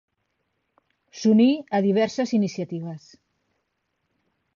S'uní a diverses iniciatives.